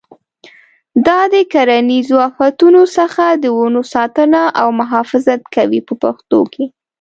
دا د کرنیزو آفتونو څخه د ونو ساتنه او محافظت کوي په پښتو کې.